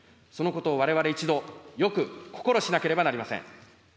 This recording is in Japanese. そのことをわれわれ一同、よく心しなければなりません。